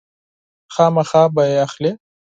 ضرور به یې اخلې !